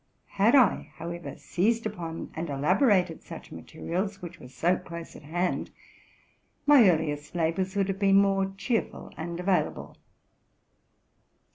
Had I, however, seized upon and elaborated such materials, which were so close at hand, my earliest labors would have been more cheerful and available.